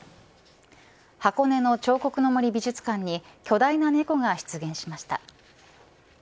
箱根の彫刻の森美術館に巨大なネコが出現しました。